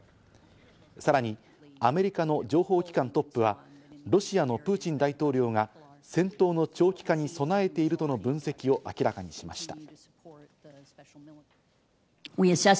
さらにアメリカの情報機関トップはロシアのプーチン大統領が戦闘の長期化に備えているとの分析を明らかにしました。